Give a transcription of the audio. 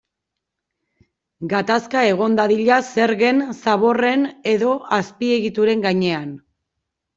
Gatazka egon dadila zergen, zaborren edo azpiegituren gainean.